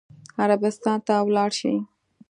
عربستان ته ولاړ شي.